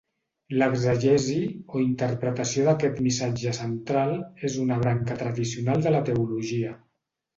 L'exegesi o interpretació d'aquest missatge central és una branca tradicional de la teologia.